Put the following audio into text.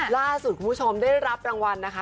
ล่าสุดคุณผู้ชมได้รับรางวัลนะคะ